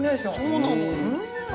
そうなのよ。